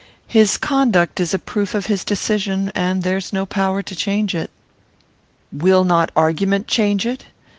His conduct is a proof of his decision, and there is no power to change it." "Will not argument change it?